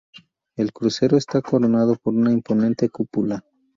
El crucero está coronado por una imponente cúpula.